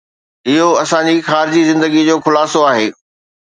اهو اسان جي خارجي زندگي جو خلاصو آهي